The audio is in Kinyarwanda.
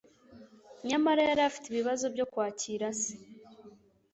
nyamara yari afite ibibazo byo kwakira se.